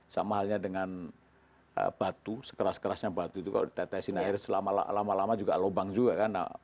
sama halnya dengan batu sekeras kerasnya batu itu kalau ditetesin air selama lama lama juga lubang juga kan